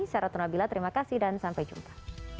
saya ratu nabila terima kasih dan sampai jumpa